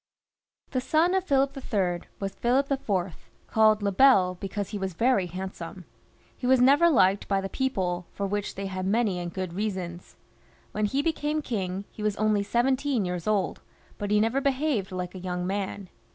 The son of Philip III. was Philip IV., called Le Bel be cause he was very handsome. He was never Uked by the people, for which they had many and good reasons. When he became king, he was only seventeen years old, but he never behaved like a young man.